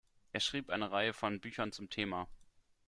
Er schrieb eine Reihe von Büchern zum Thema.